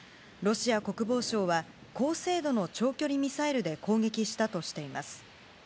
ロシア国防省は高精度の長距離ミサイルで攻撃したとしています。